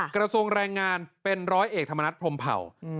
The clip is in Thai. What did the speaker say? กระทรวงแรงงานเป็นร้อยเอกธรรมนัฐพรมเผ่า